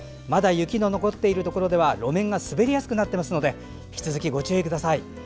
まだ雪の残っているところでは路面が滑りやすくなっていますので引き続きご注意ください。